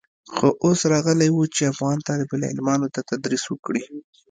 خو اوس راغلى و چې افغان طالب العلمانو ته تدريس وکړي.